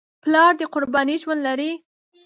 پلار د قربانۍ ژوند لري.